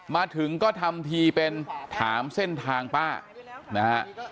มาถึงก็ทำทีเป็นถามเส้นทางป้านะฮะ